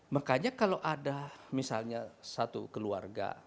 makanya kalau ada misalnya satu keluarga